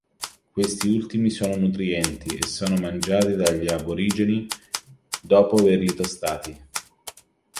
Questi ultimi sono nutrienti e sono mangiati dagli aborigeni dopo averli tostati.